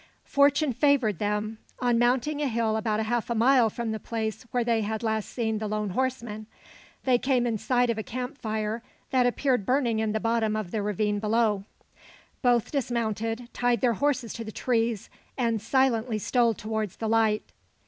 Fortune favoured them. On mounting a hill about half a mile from the place where they had last seen the lone horseman, they came in sight of a camp fire that appeared burning in the bottom of the ravine below. Both dismounted, tied their horses to the trees, and silently stole towards the light.